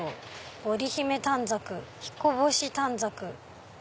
「織姫短冊」「彦星短冊」。